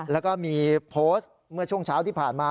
แล้วก็มีโพสต์เมื่อช่วงเช้าที่ผ่านมา